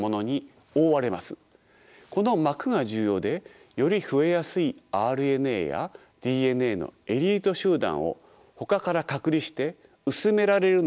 この膜が重要でより増えやすいＲＮＡやＤＮＡのエリート集団をほかから隔離して薄められるのを防ぐ働きがあります。